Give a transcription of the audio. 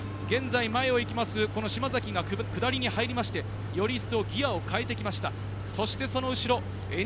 現在、前を行きます、この島崎が下りに入りましてより一層ギアを変えてきました。